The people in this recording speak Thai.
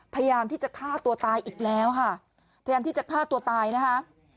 พยายามที่จะฆ่าตัวตายอีกแล้วค่ะพยายามที่จะฆ่าตัวตายนะคะ